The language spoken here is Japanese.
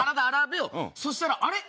そしたらあれ？